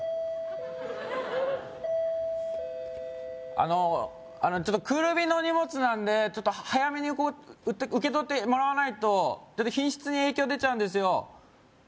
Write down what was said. あのあのちょっとクール便のお荷物なんで早めに受け取ってもらわないと品質に影響出ちゃうんですよ